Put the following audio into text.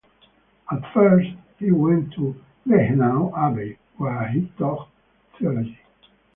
At first he went to Reichenau Abbey, where he taught theology.